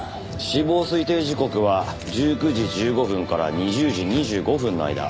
死亡推定時刻は１９時１５分から２０時２５分の間。